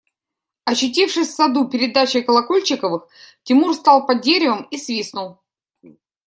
Очутившись в саду перед дачей Колокольчиковых, Тимур стал под деревом и свистнул.